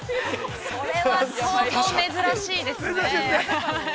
◆それは相当珍しいですね。